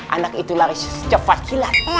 anak itu laris cepat hilang